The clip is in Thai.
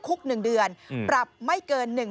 คุก๑เดือนปรับไม่เกิน๑๐๐